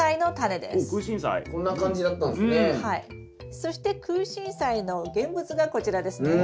そしてクウシンサイの現物がこちらですね。